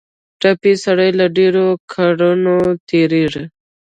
ټپي سړی له ډېرو کړاوونو تېرېږي.